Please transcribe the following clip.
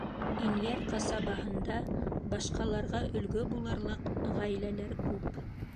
Инйәр ҡасабаһында башҡаларға өлгө булырлыҡ ғаиләләр күп.